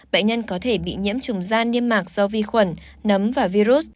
bệnh nhân có thể bị nhiễm trùng da niêm mạc do vi khuẩn nấm và virus